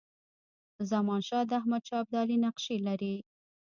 زمانشاه د احمدشاه ابدالي نقشې لري.